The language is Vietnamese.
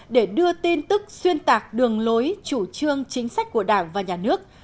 để đưa tin tức xuyên tạc đường lối chủ trương chính sách của đảng và nhà nước